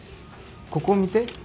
ここ見て。